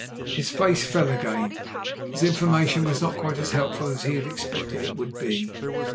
His face fell again. His information was not quite as helpful as he had expected it would be.